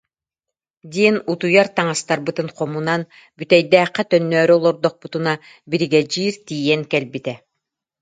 диэн утуйар таҥастарбытын хомунан, Бүтэйдээххэ төннөөрү олордохпутуна, биригэдьиир тиийэн кэлбитэ